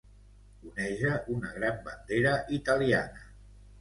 oneja una gran bandera italiana